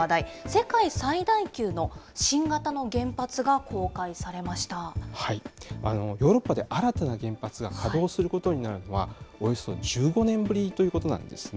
世界最大級の新型の原発が公開さヨーロッパで新たな原発が稼働することになるのは、およそ１５年ぶりということなんですね。